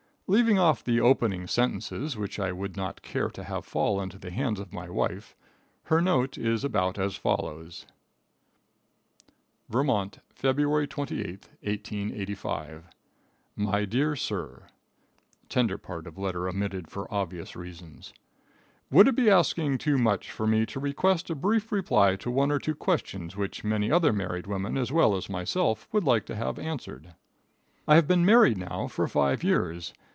Leaving off the opening sentences, which I would not care to have fall into the hands of my wife, her note is about as follows: " Vt., Feb. 28, 1885. My Dear Sir: [Tender part of letter omitted for obvious reasons.] Would it be asking too much for me to request a brief reply to one or two questions which many other married women as well as myself would like to have answered? I have been married now for five years.